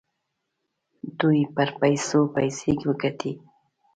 دوی پر پیسو پیسې وګټي.